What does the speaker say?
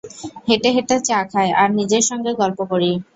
হেঁটে হেঁটে চা খাই, আর নিজের সঙ্গে গল্প করি।